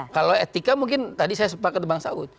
kalau etika mungkin tadi saya sempat ke dembang saud